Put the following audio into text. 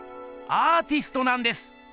アーティストなんです！